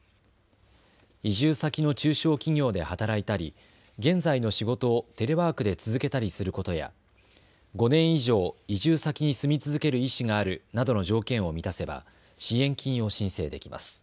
移住先の中小企業で働いたり現在の仕事をテレワークで続けたりすることや５年以上、移住先に住み続ける意思があるなどの条件を満たせば支援金を申請できます。